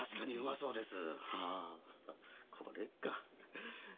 はこれか。